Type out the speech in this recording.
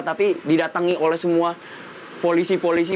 tapi didatangi oleh semua polisi polisi